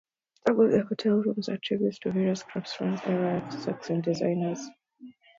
Some of the hotel's rooms are tributes to various Craftsman-era architects and designers.